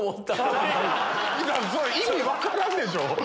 意味分からんでしょ！